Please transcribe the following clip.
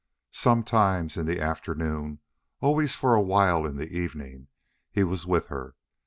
Sometimes in the afternoon, always for a while in the evening, he was with her.